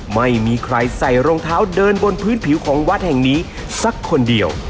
ไม่มีใครใส่รองเท้าเดินบนพื้นผิวของวัดแห่งนี้สักคนเดียว